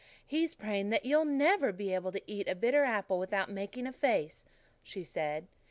"He's praying that you'll never be able to eat a bitter apple without making a face," she said.